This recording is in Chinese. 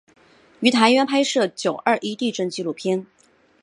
于台湾拍摄九二一地震纪录片。